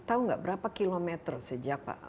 tahu nggak berapa kilometer sejak pak